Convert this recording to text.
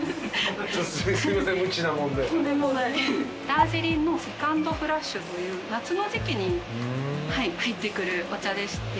ダージリンの２ｎｄフラッシュという夏の時季に入ってくるお茶でして。